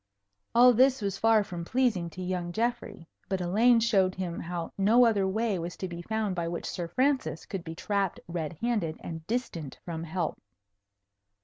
All this was far from pleasing to young Geoffrey. But Elaine showed him how no other way was to be found by which Sir Francis could be trapped red handed and distant from help.